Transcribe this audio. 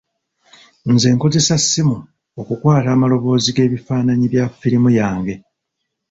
Nze nkozesa ssimu okukwata amalaboozi g'ebifaananyi bya firimu yange.